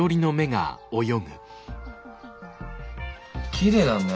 きれいだね。